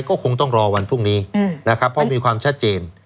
ก็คงต้องรอวันพรุ่งนี้นะครับเพราะมีความชัดเจน